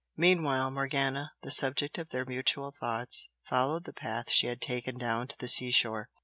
Meanwhile, Morgana, the subject of their mutual thoughts, followed the path she had taken down to the seashore.